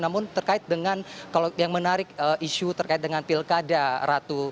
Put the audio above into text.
namun terkait dengan kalau yang menarik isu terkait dengan pilkada ratu